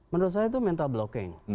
menurut saya itu mental blocking